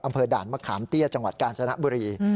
อำเภอด่านมะขามเตี้ยจังหวัดกาญจนบุรี